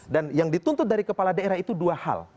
dan yang dituntut dari kepala daerah itu dua hal